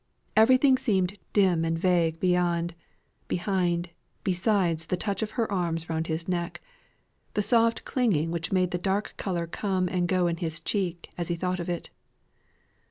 Everything seemed dim and vague beyond behind besides the touch of her arms round his neck the soft clinging which made the dark colour come and go in his cheek as he thought of it.